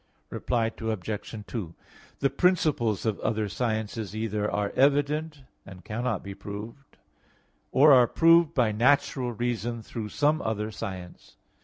Reply Obj. 2: The principles of other sciences either are evident and cannot be proved, or are proved by natural reason through some other science.